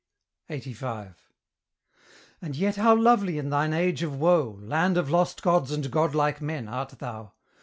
LXXXV. And yet how lovely in thine age of woe, Land of lost gods and godlike men, art thou!